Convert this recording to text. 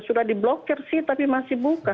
sudah di blokir sih tapi masih buka